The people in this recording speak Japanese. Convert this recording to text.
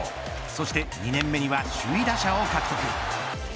そして２年目には首位打者を獲得。